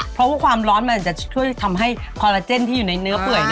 เพราะว่าความร้อนมันอาจจะช่วยทำให้คอลลาเจนที่อยู่ในเนื้อเปื่อย